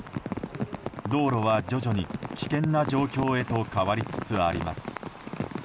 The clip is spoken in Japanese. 道路は徐々に危険な状況へと変わりつつあります。